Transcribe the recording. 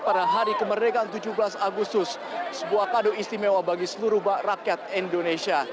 pada hari kemerdekaan tujuh belas agustus sebuah kado istimewa bagi seluruh rakyat indonesia